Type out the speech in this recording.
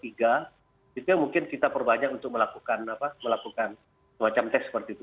itu yang mungkin kita perbanyak untuk melakukan semacam tes seperti itu